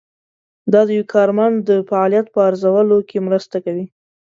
دا د یو کارمند د فعالیت په ارزولو کې مرسته کوي.